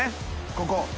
ここ。